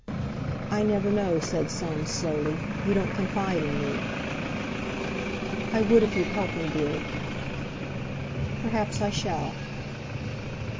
"I never know!" said Soames slowly; "you don't confide in me." "I would, if you'd help me, dear." "Perhaps I shall."